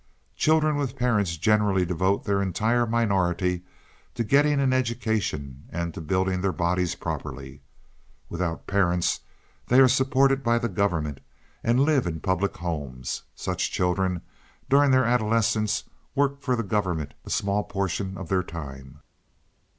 "Children with parents generally devote their entire minority to getting an education, and to building their bodies properly. Without parents, they are supported by the government and live in public homes. Such children, during their adolescence, work for the government a small portion of their time.